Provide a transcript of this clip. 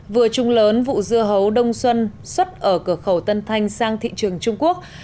vừa trùng lớn vụ dưa hấu đông xuân xuất ở cửa khẩu tân thanh sang thị trường trung quốc